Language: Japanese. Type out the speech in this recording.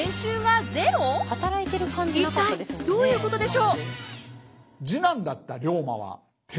一体どういうことでしょう？